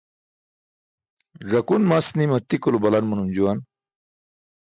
Ẓakun mast nima tikulo balan manum juwan.